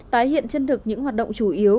tái hiện chân thực những hoạt động chủ yếu